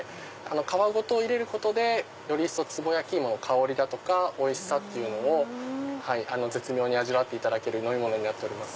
皮ごと入れることでより一層つぼ焼き芋の香りとおいしさを絶妙に味わっていただける飲み物になっております。